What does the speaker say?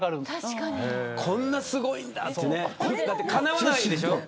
こんなにすごいんだってねかなわないでしょう。